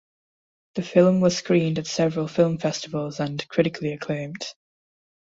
The film was screened at several film festivals and critically acclaimed.